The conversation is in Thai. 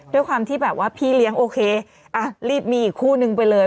ด้วยความที่แบบว่าพี่เลี้ยงโอเครีบมีอีกคู่นึงไปเลย